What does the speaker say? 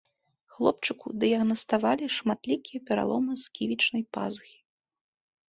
Хлопчыку дыягнаставалі шматлікія пераломы сківічнай пазухі.